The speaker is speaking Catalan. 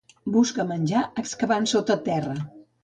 Busca menjar excavant sota terra.